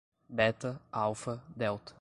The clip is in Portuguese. Beta, alfa, delta